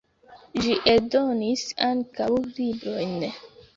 Ĝi eldonis ankaŭ librojn.